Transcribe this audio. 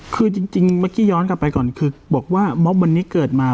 คือจริงเมื่อกี้ย้อนกลับไปก่อนคือบอกว่าม็อบวันนี้เกิดมา